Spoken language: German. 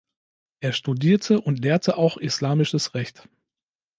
Er studierte und lehrte auch islamisches Recht.